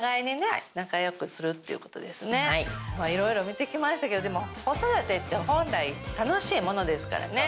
いろいろ見てきましたけど子育てって本来楽しいものですからね。